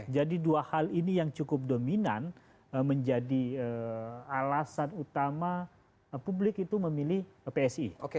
jadi dua hal ini yang cukup dominan menjadi alasan utama publik itu memilih psi